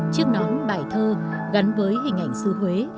chiếc nón bài thơ gắn với hình ảnh xứ huế